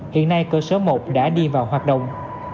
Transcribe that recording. hiện nay cơ sở một đã đi vào hoạt động